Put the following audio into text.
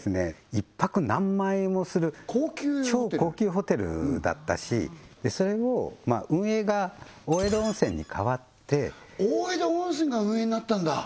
１泊何万円もする超高級ホテルだったしそれをまあ運営が大江戸温泉に変わって大江戸温泉が運営になったんだ